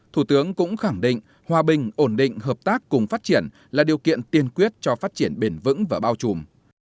thủ tướng cũng khẳng định hòa bình ổn định hợp tác cùng phát triển là điều kiện tiên quyết cho phát triển bền vững và bao trùm